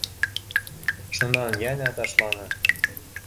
Шунан йәнә ташланы.